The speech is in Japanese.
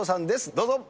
どうぞ。